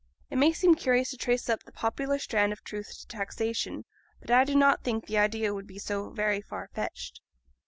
It may seem curious to trace up the popular standard of truth to taxation; but I do not think the idea would be so very far fetched.